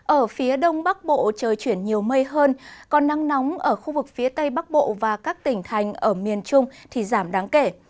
ở phía đông bắc bộ trời chuyển nhiều mây hơn còn nắng nóng ở khu vực phía tây bắc bộ và các tỉnh thành ở miền trung thì giảm đáng kể